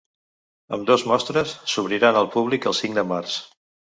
Ambdós mostres s’obriran al públic el cinc de març.